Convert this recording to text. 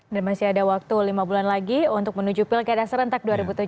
dan masih ada waktu lima bulan lagi untuk menuju pil keda serentak dua ribu tujuh belas